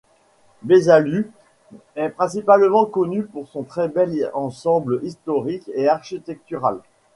Besalú est principalement connu pour son très bel ensemble historique et architectural.